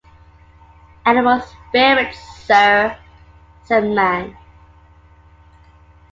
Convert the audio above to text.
"Animal spirits, sir," said Mann.